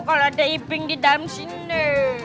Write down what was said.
kalau ada ibing di dalam sini